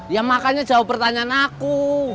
ya makanya jawab pertanyaan aku